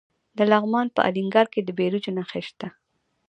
د لغمان په الینګار کې د بیروج نښې شته.